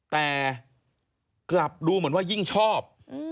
แต่กลับดูเหมือนว่ายิ่งชอบ